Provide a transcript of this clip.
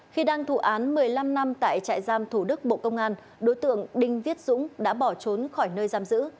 khi đang thụ án một mươi năm năm tại trại giam thủ đức bộ công an đối tượng đinh viết dũng đã bỏ trốn khỏi nơi giam giữ